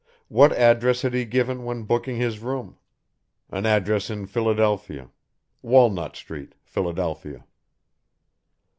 What address had he given when booking his room? An address in Philadelphia. Walnut Street, Philadelphia."